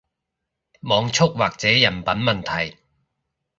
網速或者人品問題